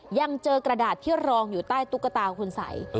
ยังเจอกระดาษที่รองอยู่ใต้ตุ๊กตาคุณสัย